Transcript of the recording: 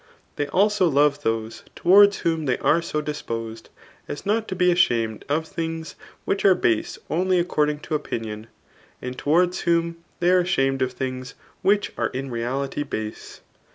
Hiey also love those towards whom they are so disposed as not to be ashamed of things which are base only according to opi^ nion, and tbwards whom they are ashamed of thkigt which are in reality base.